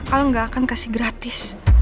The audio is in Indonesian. al gak akan kasih gratis